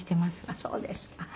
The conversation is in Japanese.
あっそうですか。